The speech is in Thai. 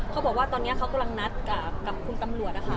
เขาบอกว่าตอนนี้เขากำลังนัดกับคุณตำรวจนะคะ